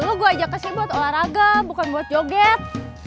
lo gue ajak ke sini buat olahraga bukan buat joget